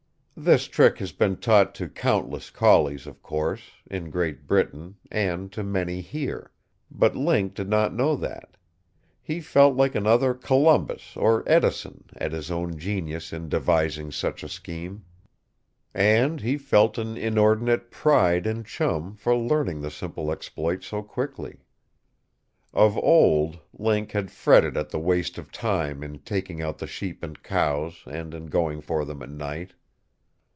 This trick has been taught to countless collies, of course, in Great Britain, and to many here. But Link did not know that. He felt like another Columbus or Edison, at his own genius in devising such a scheme; and he felt an inordinate pride in Chum for learning the simple exploit so quickly. Of old, Link had fretted at the waste of time in taking out the sheep and cows and in going for them at night.